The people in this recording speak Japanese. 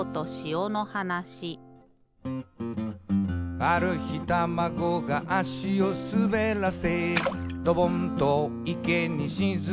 「ある日タマゴが足をすべらせ」「ドボンと池にしずんでく」